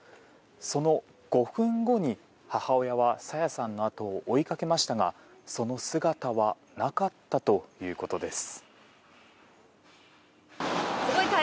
その５分後に母親は朝芽さんの後を追いかけましたがその姿はなかったということです。